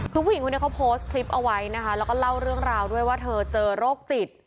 คือผู้หญิงคนนี้เขาโพสต์คลิปเอาไว้นะคะแล้วก็เล่าเรื่องราวด้วยว่าเธอเจอโรคจิต